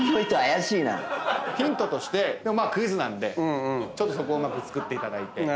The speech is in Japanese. ヒントとしてクイズなんでそこうまく作っていただいて。